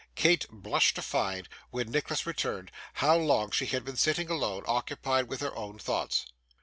Kate blushed to find, when Nicholas returned, how long she had been sitting alone, occupied with her own thoughts.